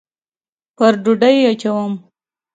پر ډوډۍ یې اچوم